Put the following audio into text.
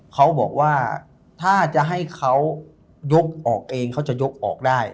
เขาบอกว่าถ้าจะให้เขายกออกเองเขาจะยกออกได้